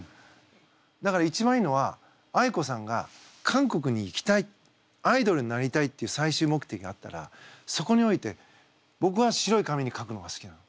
だから一番いいのはあいこさんが韓国に行きたいアイドルになりたいっていう最終目的があったらそこにおいて僕は白い紙に書くのが好きなの。